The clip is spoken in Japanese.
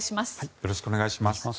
よろしくお願いします。